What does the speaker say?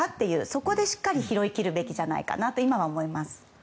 そこでしっかりと拾いきるべきではないかと今は思います。